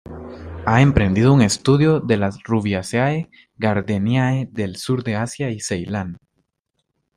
Ha emprendido un estudio de las Rubiaceae-Gardeniae del sur de Asia y Ceilán.